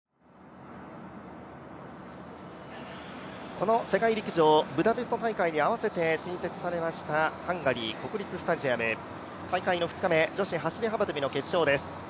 この世界陸上ブダペスト大会に合わせて新設されましたハンガリー国立スタジアム大会の２日目、女子走幅跳の決勝です。